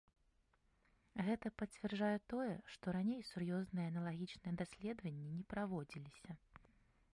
Гэтае пацвярджае тое, што раней сур'ёзныя аналагічныя даследаванні не праводзіліся.